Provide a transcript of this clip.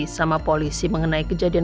sama polisi mengenai kejadian